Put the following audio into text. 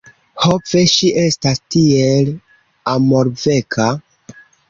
Ho ve! Ŝi estas tiel amorveka!!!